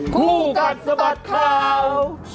คู่กัดสะบัดข่าว